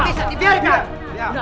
tidak bisa dibiarkan